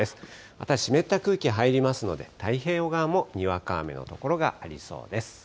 また湿った空気入りますので、太平洋側もにわか雨の所がありそうです。